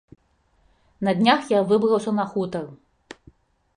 На днях я выбраўся на хутар.